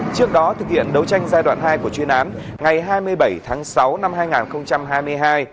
trước đó thực hiện đấu tranh giai đoạn hai của chuyên án ngày hai mươi bảy tháng sáu năm hai nghìn hai mươi hai